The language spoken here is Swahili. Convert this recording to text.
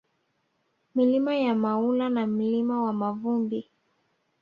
Milima ya Maula na Mlima wa Mavumbi